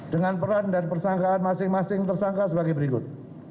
dengan peran dan persangkaan masing masing tersangka sebagai berikut